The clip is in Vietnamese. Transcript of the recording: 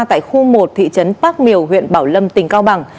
tại khu một thị trấn bác miều huyện bảo lâm tỉnh cao bằng